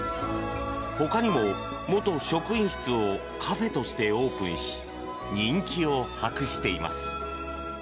他にも元職員室をカフェとしてオープンし人気を博しています。